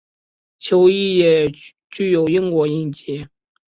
球衣也具有英国印记。